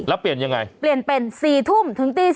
แล้วเปลี่ยนยังไงเปลี่ยนเป็น๔ทุ่มถึงตี๔